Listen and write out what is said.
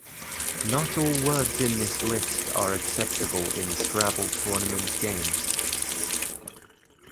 Not all words in this list are acceptable in "Scrabble" tournament games.